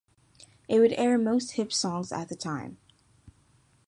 It would air most hip songs at the time.